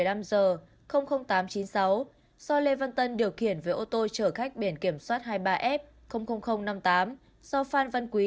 do lê văn tân điều khiển với ô tô trở khách biển kiểm soát hai mươi ba f năm mươi tám do phan văn quý